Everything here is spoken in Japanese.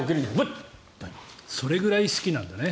それぐらい好きなんだね。